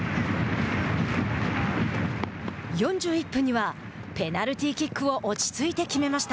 ４１分にはペナルティーキックを落ち着いて決めました。